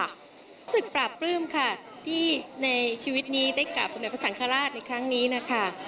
รู้สึกปราบปลื้มค่ะที่ในชีวิตนี้ได้กราบสมเด็จพระสังฆราชในครั้งนี้นะคะ